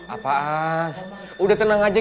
apaan udah tenang aja